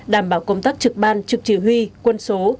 đảm bảo công tác trực ban trực chỉ huy quân số